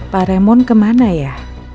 pak raymond kemana ya